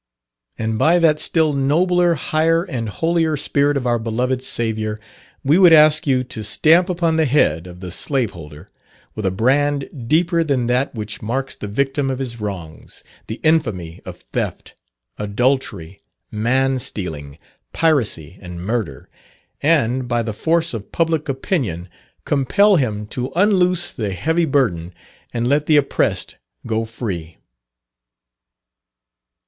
And by that still nobler, higher, and holier spirit of our beloved Saviour, we would ask you to stamp upon the head of the slaveholder, with a brand deeper than that which marks the victim of his wrongs, the infamy of theft, adultery, man stealing, piracy, and murder, and, by the force of public opinion, compel him to "unloose the heavy burden, and let the oppressed go free."